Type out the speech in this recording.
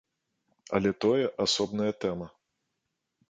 Але тое асобная тэма.